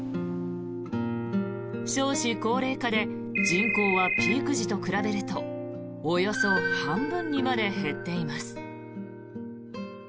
少子高齢化で人口はピーク時と比べるとおよそ半分にまで減っています。